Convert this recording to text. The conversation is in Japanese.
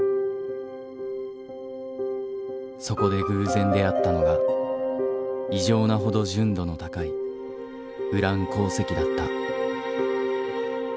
そこで偶然出会ったのが異常なほど純度の高いウラン鉱石だった。